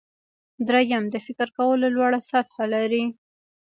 دریم د فکر کولو لوړه سطحه لري.